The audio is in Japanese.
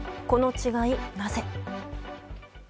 この違い、なぜ。